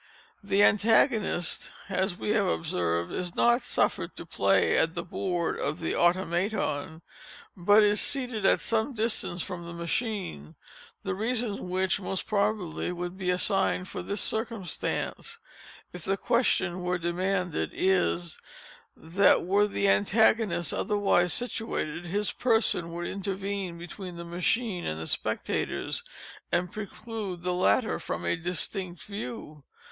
The antagonist (as we have before observed) is not suffered to play at the board of the Automaton, but is seated at some distance from the machine. The reason which, most probably, would be assigned for this circumstance, if the question were demanded, is, that were the antagonist otherwise situated, his person would intervene between the machine and the spectators, and preclude the latter from a distinct view.